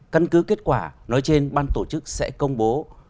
căn cứ kết quả nói trên ban tổ chức sẽ công bố